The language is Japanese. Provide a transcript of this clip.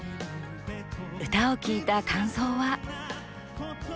歌を聴いた感想は。